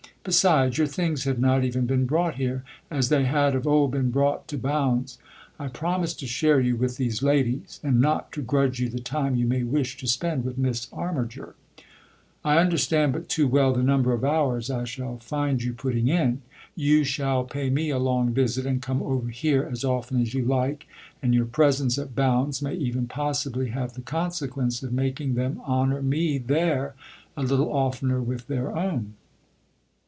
Besides, your things have not even been brought here as they had of old been brought THE OTHER HOUSE 205 to Bounds. I promise to share you with these ladies and not to grudge you the time you may wish to spend with Miss Armiger. I understand but too well the number of hours I shall find you putting in. You shall pay me a long visit and come over here as often as you like, and your presence at Bounds may even possibly have the consequence of making them honour me there a little oftener with their own."